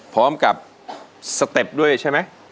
พร้อมกับสเต็ปด้วยใช่ไหม